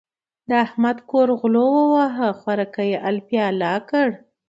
د احمد کور غلو وواهه؛ خوراکی يې الپی الا کړ.